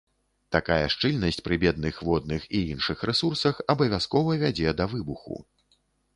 Такая шчыльнасць пры бедных водных і іншых рэсурсах абавязкова вядзе да выбуху.